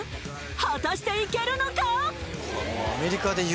果たしていけるのか？